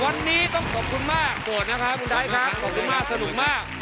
วันนี้ต้องขอบคุณมากโกรธนะครับคุณไทยครับขอบคุณมากสนุกมาก